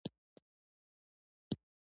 لیکلي بڼه په ورځپاڼه او کتاب کې وي.